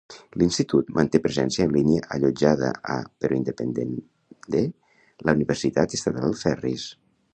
L'institut manté presència en línia allotjada a, però independent de, la Universitat Estatal Ferris.